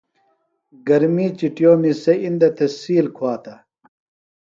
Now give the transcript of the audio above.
گرمی چُٹیومی سےۡ اِندہ تھےۡ سیل کُھواتہ۔